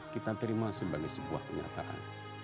kita terima sebagai sebuah kenyataan